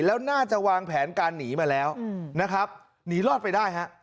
แล้วน่าจะวางแผนการหนีมาแล้วนะครับหนีรอดไปได้ฮะ